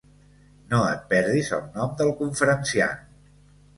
No et perdis el nom del conferenciant.